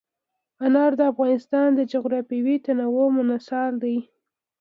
انار د افغانستان د جغرافیوي تنوع مثال دی.